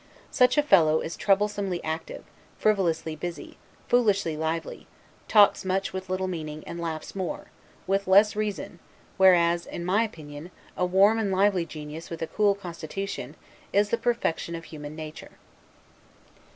Such a fellow is troublesomely active, frivolously busy, foolishly lively; talks much with little meaning, and laughs more, with less reason whereas, in my opinion, a warm and lively genius with a cool constitution, is the perfection of human nature.